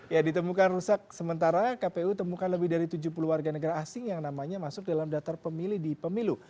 ya ditemukan rusak sementara kpu temukan lebih dari tujuh puluh warga negara asing yang namanya masuk dalam daftar pemilih di pemilu